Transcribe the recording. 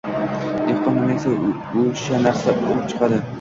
Dehqon nima eksa, o‘sha narsa unib chiqadi.